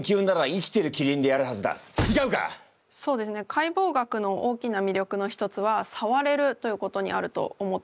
解剖学の大きな魅力の一つはさわれるということにあると思っています。